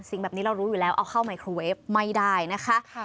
สิ่งแบบนี้เรารู้อยู่แล้วเอาเข้าไมโครเวฟไม่ได้นะคะ